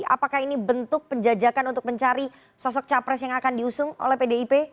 apakah ini bentuk penjajakan untuk mencari sosok capres yang akan diusung oleh pdip